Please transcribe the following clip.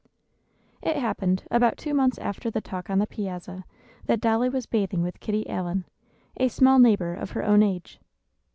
It happened, about two months after the talk on the piazza, that Dolly was bathing with Kitty Allen, a small neighbor of her own age.